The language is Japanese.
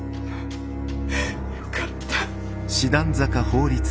よかった。